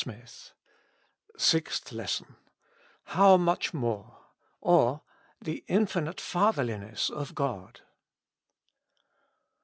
46 SIXTH I.ESSON. How much more?" or, The Infinite Fatherli ness of God.